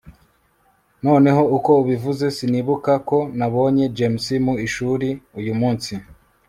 noneho ko ubivuze, sinibuka ko nabonye james mu ishuri uyu munsi